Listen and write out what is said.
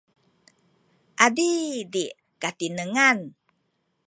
adidi’ katinengan